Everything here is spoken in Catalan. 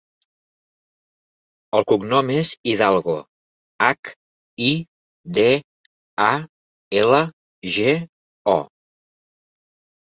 El cognom és Hidalgo: hac, i, de, a, ela, ge, o.